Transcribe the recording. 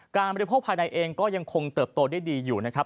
บริโภคภายในเองก็ยังคงเติบโตได้ดีอยู่นะครับ